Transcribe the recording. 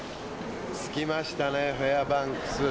着きましたねフェアバンクス。